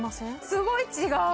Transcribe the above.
すごい違う！